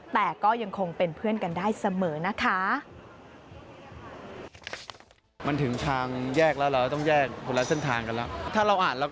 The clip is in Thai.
แต่ก็ยังคงเป็นเพื่อนกันได้เสมอนะคะ